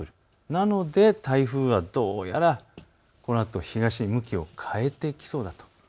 なので台風はどうやらこのあと東に向きを変えてきそうだと。